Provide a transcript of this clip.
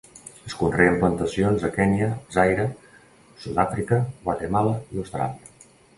Es conrea en plantacions a Kenya, Zaire, Sud-àfrica, Guatemala i Austràlia.